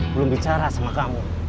belum bicara sama kamu